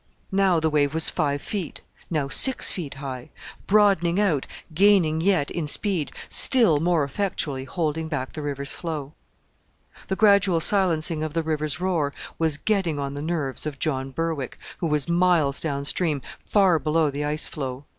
Now the wave was five feet now six feet high broadening out, gaining yet in speed, still more effectually holding back the river's flow. The gradual silencing of the river's roar was getting on the nerves of John Berwick, who was miles down stream, far below the ice flow.